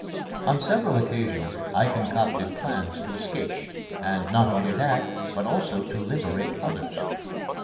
On several occasions I concocted plans to escape, and not only that, but also to liberate others.